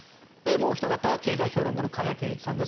もうおひと方経済評論家の加谷珪一さんです。